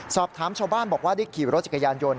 ชาวบ้านบอกว่าได้ขี่รถจักรยานยนต์